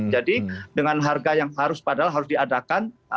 jadi dengan harga yang padahal harus diadakan